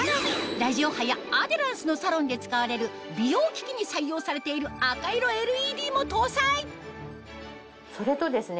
ラジオ波やアデランスのサロンで使われる美容機器に採用されている赤色ＬＥＤも搭載それとですね